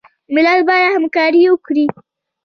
ملت باید همکاري وکړي